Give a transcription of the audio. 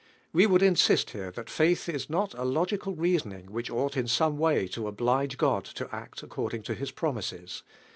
We would insist here that faith is not a topical reasoning whirli ought in some way. to oblige God to act according to His promises.